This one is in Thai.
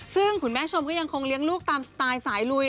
ซึ่งคุณแม่ชมก็ยังคงเลี้ยงลูกตามสไตล์สายลุย